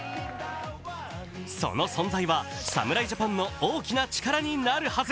その存在は侍ジャパンの大きな力になるはず。